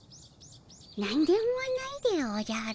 何でもないでおじゃる。